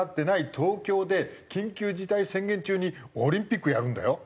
東京で緊急事態宣言中にオリンピックやるんだよ。